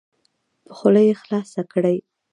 په خوله یې خلاصه کړئ.